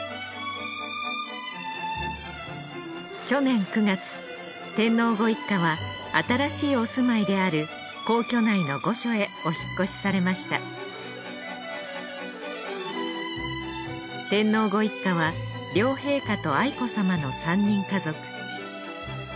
去年９月天皇ご一家は新しいお住まいである皇居内の御所へお引越しされました天皇ご一家は両陛下と愛子さまの３人家族。